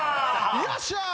よっしゃ！